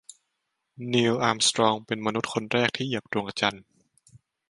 นีล อาร์มสตรองเป็นมนุษย์คนแรกที่เหยียบดวงจันทร์